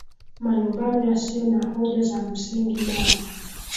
malumbano yasiyo na hoja za msingi mara